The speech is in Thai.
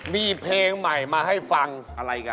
มีเพลงใหม่มาให้ฟังอะไรอีก